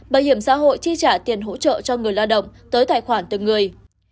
bảo hiểm xã hội chi trả tiền hỗ trợ cho người lao động tới tài khoản từng người